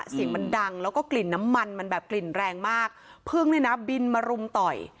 เสียงมันดังแล้วก็กลิ่นน้ำมันมันแบบกลิ่นแรงมากพึ่งเนี่ยนะบินมารุมต่อย